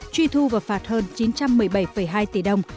truy thu và phạt hơn chín trăm một mươi bảy hai tỷ đồng